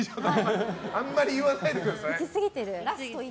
あんまり言わないでください。